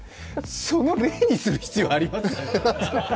その例にする必要あります？